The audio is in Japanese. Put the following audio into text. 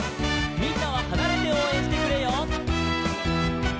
「みんなははなれておうえんしてくれよ」